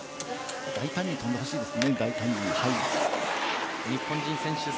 大胆に飛んでほしいですね。